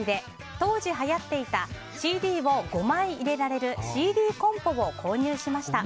当時、はやっていたＣＤを５枚入れられるＣＤコンポを購入しました。